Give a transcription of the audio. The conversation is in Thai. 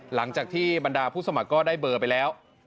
หลังจากที่บรรดาผู้สมัครก็ได้เบอร์ไปแล้ว